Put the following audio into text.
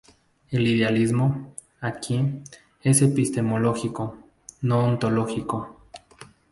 El idealismo, aquí, es epistemológico, no ontológico.